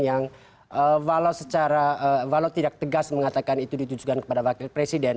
yang secara walau tidak tegas mengatakan itu ditujukan kepada wakil presiden